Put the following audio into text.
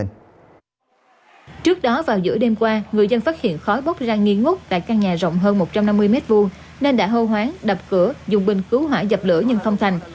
trước đó vào giữa đêm qua người dân phát hiện khói bốc ra nghi ngút tại căn nhà rộng hơn một trăm năm mươi m hai nên đã hô hoáng đập cửa dùng bình cứu hỏa dập lửa nhưng không thành